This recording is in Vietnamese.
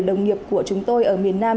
là thực phẩm